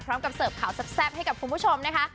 พร้อมกับเสิร์ฟข่าวแซ่บให้กับคุณผู้ชมนะคะ